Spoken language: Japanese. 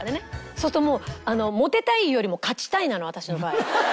そうするともうモテたいよりも勝ちたいなの私の場合は。